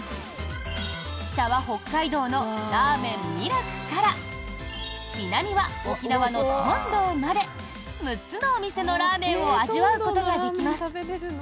北は北海道のらーめん味楽から南は沖縄の通堂まで６つのお店のラーメンを味わうことができます。